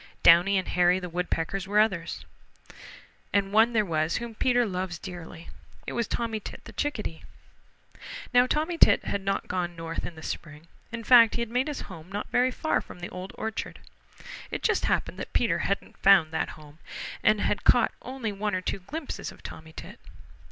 Downy and Hairy the Woodpeckers were others. And one there was whom Peter loves dearly. It was Tommy Tit the Chickadee. Now Tommy Tit had not gone north in the spring. In fact, he had made his home not very far from the Old Orchard. It just happened that Peter hadn't found that home, and had caught only one or two glimpses of Tommy Tit.